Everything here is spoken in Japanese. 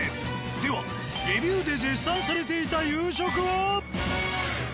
ではレビューで絶賛されていた夕食は？